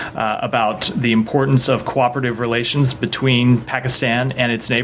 tentang pentingnya hubungan kerjasama kooperatif antara pakistan dan jiran mereka